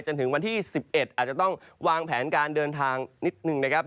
จนถึงวันที่๑๑อาจจะต้องวางแผนการเดินทางนิดนึงนะครับ